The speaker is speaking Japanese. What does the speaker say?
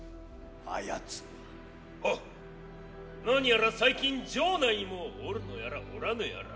なにやら最近城内にもおるのやらおらぬやら。